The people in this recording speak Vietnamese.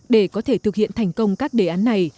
để có thể thực hiện thành công các đề án này